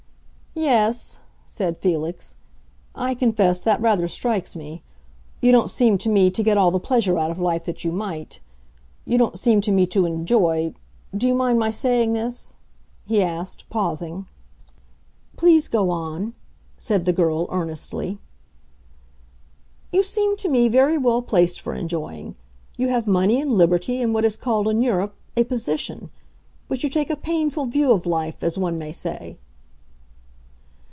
"Yes," said Felix, "I confess that rather strikes me. You don't seem to me to get all the pleasure out of life that you might. You don't seem to me to enjoy..... Do you mind my saying this?" he asked, pausing. "Please go on," said the girl, earnestly. "You seem to me very well placed for enjoying. You have money and liberty and what is called in Europe a 'position.' But you take a painful view of life, as one may say."